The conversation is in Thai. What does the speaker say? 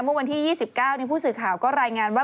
เมื่อวันที่๒๙ผู้สื่อข่าวก็รายงานว่า